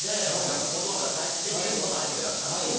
学校とかから帰ってきて見るものがアニメだったんですよ。